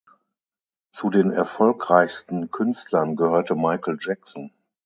Zu den erfolgreichsten Künstlern gehörte Michael Jackson.